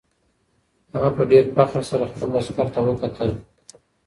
هغه په ډېر فخر سره خپل لښکر ته وکتل.